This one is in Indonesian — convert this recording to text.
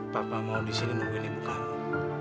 papa mau disini nungguin ibu kamu